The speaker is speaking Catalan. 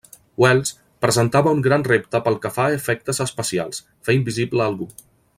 Wells, presentava un gran repte pel que fa a efectes especials: fer invisible algú.